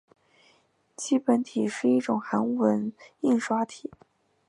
基本体是一种韩文印刷体。